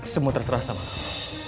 semua terserah sama kamu